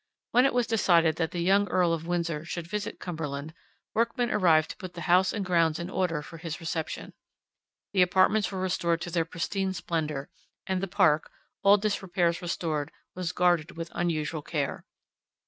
When it was decided that the young Earl of Windsor should visit Cumberland, workmen arrived to put the house and grounds in order for his reception. The apartments were restored to their pristine splendour, and the park, all disrepairs restored, was guarded with unusual care.